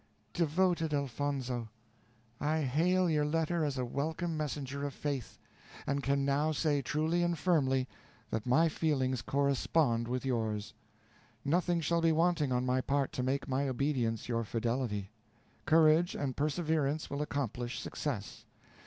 Devoted Elfonzo I hail your letter as a welcome messenger of faith, and can now say truly and firmly that my feelings correspond with yours. Nothing shall be wanting on my part to make my obedience your fidelity. Courage and perseverance will accomplish success.